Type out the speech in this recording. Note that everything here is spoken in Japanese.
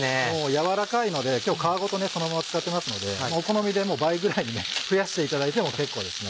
柔らかいので今日皮ごとそのまま使ってますのでお好みで倍ぐらいに増やしていただいても結構ですね。